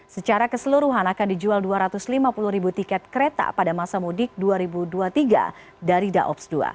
secara keseluruhan akan dijual dua ratus lima puluh ribu tiket kereta pada masa mudik dua ribu dua puluh tiga dari daops dua